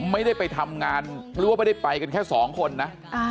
ไม่ได้ไปทำงานหรือว่าไม่ได้ไปกันแค่สองคนนะ